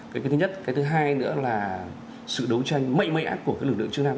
cái thứ nhất cái thứ hai nữa là sự đấu tranh mệ mệ ác của các lực lượng chương trình